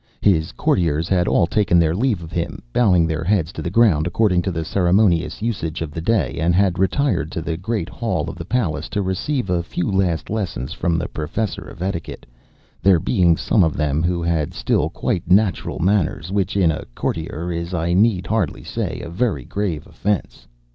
His courtiers had all taken their leave of him, bowing their heads to the ground, according to the ceremonious usage of the day, and had retired to the Great Hall of the Palace, to receive a few last lessons from the Professor of Etiquette; there being some of them who had still quite natural manners, which in a courtier is, I need hardly say, a very grave offence.